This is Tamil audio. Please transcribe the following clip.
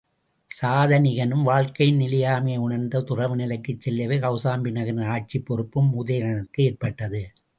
சதானிகனும் வாழ்க்கையின் நிலையாமையை உணர்ந்து துறவு நிலைக்குச் செல்லவே, கௌசாம்பி நகரின் ஆட்சிப் பொறுப்பும் உதயணனுக்கு ஏற்பட்டது.